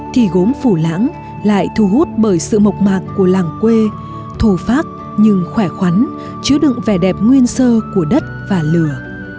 thì gốm phủ lãng lại thu hút bởi sự mộc mạc của làng quê thổ pháp nhưng khỏe khoắn chứa đựng vẻ đẹp nguyên sơ của đất và lửa